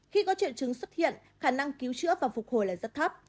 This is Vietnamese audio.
khi có triệu chứng xuất hiện khả năng cứu chữa và phục hồi là rất thấp